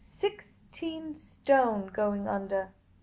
Sixteen stone going under.